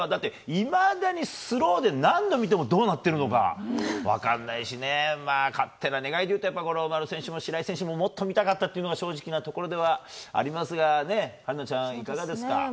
いまだにスローで何度見てもどうなってるのか分からないし勝手な願いで言うと五郎丸選手も白井選手ももっと見ていたかったのが正直なところですが春奈ちゃん、いかがですか。